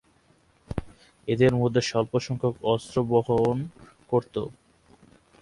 এদের মধ্যে স্বল্প সংখ্যক অস্ত্র বহন করত।